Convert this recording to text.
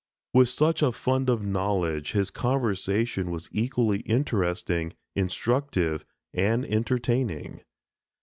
With such a fund of knowledge his conversation was equally interesting, instructive, and entertaining.